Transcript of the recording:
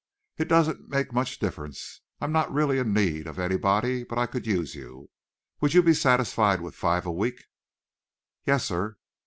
"It doesn't make much difference. I'm not really in need of anybody, but I could use you. Would you be satisfied with five a week?" "Yes, sir."